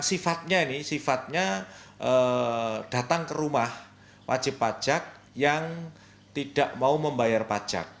sifatnya ini sifatnya datang ke rumah wajib pajak yang tidak mau membayar pajak